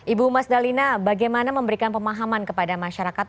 ibu mas dalina bagaimana memberikan pemahaman kepada masyarakat